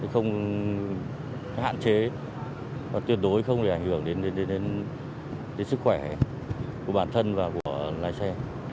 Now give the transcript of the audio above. không hạn chế và tuyệt đối không để ảnh hưởng đến sức khỏe của bản thân và của lái xe